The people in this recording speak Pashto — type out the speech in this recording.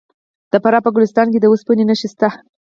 د فراه په ګلستان کې د وسپنې نښې شته.